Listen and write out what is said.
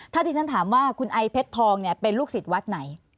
ถ้าที่ฉันถามว่าคุณไอเพชรทองเนี่ยเป็นลูกศิษย์วัดไหน